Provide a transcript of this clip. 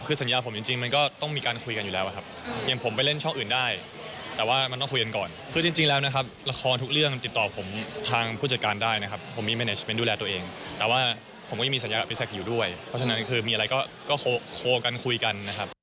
คือสัญญาผมจริงมันก็ต้องมีการคุยกันอยู่แล้วครับอย่างผมไปเล่นช่องอื่นได้แต่ว่ามันต้องคุยกันก่อน